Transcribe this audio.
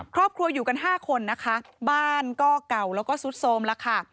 ครอบครัวอยู่กัน๕คนบ้านก็เก่าแล้วก็ซุดโทรมละ